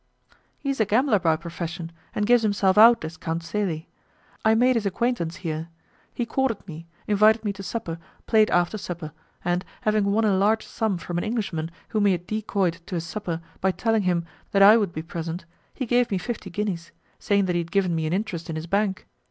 "He is a gambler by profession, and gives himself out as Count Celi. I made his acquaintance here. He courted me, invited me to supper, played after supper, and, having won a large sum from an Englishman whom he had decoyed to his supper by telling him that I would be present, he gave me fifty guineas, saying that he had given me an interest in his bank.